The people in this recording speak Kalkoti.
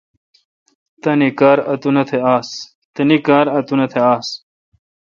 تانی کار اتونتھ آس۔